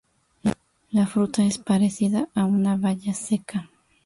La fruta es parecida a una baya seca.